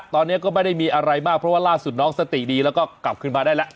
ตอนนี้ก็ไม่ได้มีอะไรมากเพราะว่าล่าสุดน้องสติดีแล้วก็กลับขึ้นมาได้แล้ว